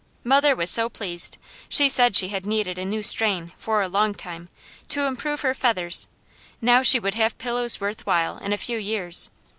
Mother was so pleased. She said she had needed a new strain, for a long time, to improve her feathers; now she would have pillows worth while, in a few years.